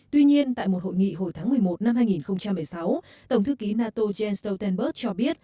tuy nhiên tại một hội nghị hồi tháng một mươi một năm hai nghìn một mươi sáu tổng thư ký nato jens stoltenberg cho biết